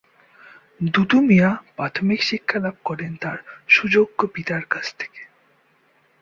দুদু মিয়া প্রাথমিক শিক্ষা লাভ করেন তার সুযোগ্য পিতার কাছ থেকে।